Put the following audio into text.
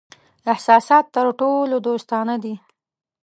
احساسات تر ټولو دوستانه دي.